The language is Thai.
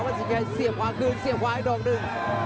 วันสินใยเสียบขวากรึงเสียบขวาก็อย่างนอกหนึ่ง